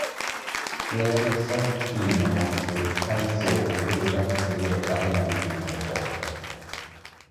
芸術作品のもつたいそう奥深くすぐれた趣のこと。